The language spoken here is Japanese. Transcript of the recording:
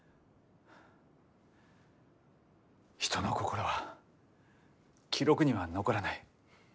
人の心は記録には残らない。